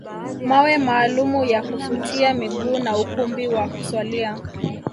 Mawe maalumu ya kufutia miguu na ukumbi wa kuswalia